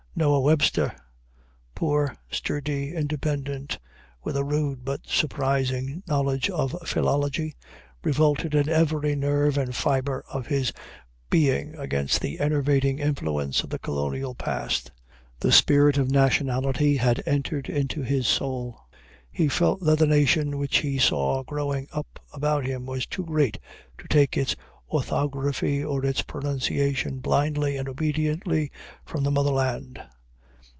Noah Webster, poor, sturdy, independent, with a rude but surprising knowledge of philology, revolted in every nerve and fiber of his being against the enervating influence of the colonial past. The spirit of nationality had entered into his soul. He felt that the nation which he saw growing up about him was too great to take its orthography or its pronunciation blindly and obediently from the mother land.